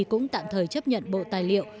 cũng tạm thời chấp nhận bộ tài liệu